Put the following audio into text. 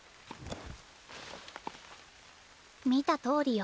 見たとおりよ。